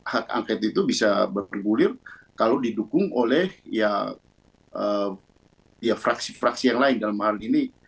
hak angket itu bisa bergulir kalau didukung oleh ya fraksi fraksi yang lain dalam hal ini